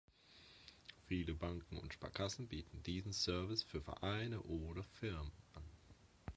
Viele Banken und Sparkassen bieten diesen Service für Vereine oder Firmen an.